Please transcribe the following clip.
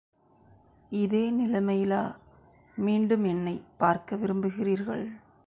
இதே நிலைமையிலா மீண்டும் என்னைப் பார்க்க விரும்புகிறீர்கள்?